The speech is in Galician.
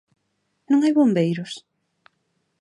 ¿Non hai bombeiros?